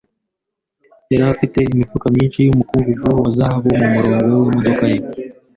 yari afite imifuka myinshi yumukungugu wa zahabu mumurongo wimodoka ye.